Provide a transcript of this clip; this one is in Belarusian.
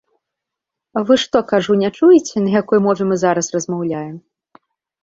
Вы што, кажу, не чуеце, на якой мове мы зараз размаўляем?